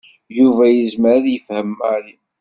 Yuba yezmer ad yefhem Mary.